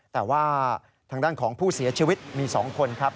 แต่ว่าทางด้านของผู้เสียชีวิตมี๒คนครับ